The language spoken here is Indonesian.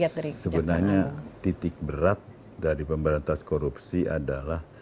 jadi sebenarnya titik berat dari pemberantas korupsi adalah